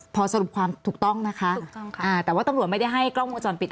พอสรุปความถูกต้องนะคะถูกต้องค่ะอ่าแต่ว่าตำรวจไม่ได้ให้กล้องวงจรปิด